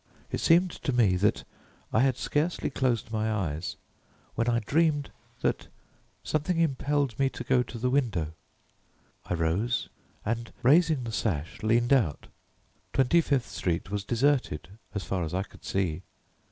It seemed to me that I had scarcely closed my eyes when I dreamed that something impelled me to go to the window. I rose, and raising the sash leaned out. Twenty fifth Street was deserted as far as I could see.